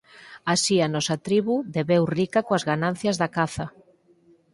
Así a nosa tribo deveu rica coas ganancias da caza.